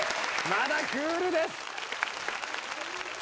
まだクールです。